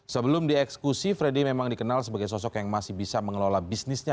sebelum dieksekusi freddy memang dikenal sebagai sosok yang masih bisa mengelola bisnisnya